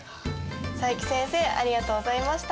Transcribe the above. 佐伯先生ありがとうございました。